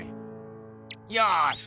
よし！